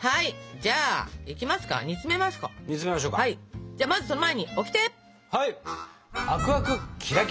じゃあまずその前にオキテ！